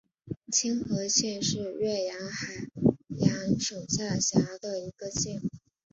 青河县是越南海阳省下辖的一个县。